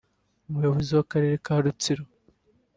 Umuyobozi w’ Akarere ka Rutsiro